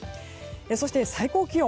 そして、最高気温。